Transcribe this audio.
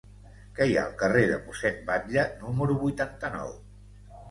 Què hi ha al carrer de Mossèn Batlle número vuitanta-nou?